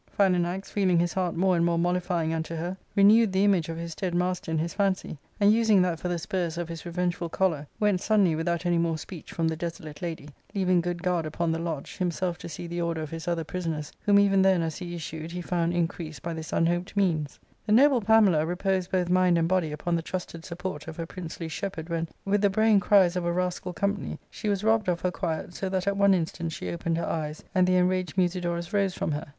Philanax, feeling his heart more and more mollifying unto her, renewed the image of his dead master in his fancy, and, using that for the spurs of his revengeful choler, went suddenly without any more speech from the desolate lady, leaving good guard upon the lodge, himself to see the order of his other prisoners, whom even then as he issued he found increased by this unhoped means :— The noble Pamela reposed both mind and body upon the trusted support of her princely shepherd when, with the braying cries of a rascal company, she was robbed of her quiet, so that at one instant she opened her eyes and the enraged Musidorus rose from her.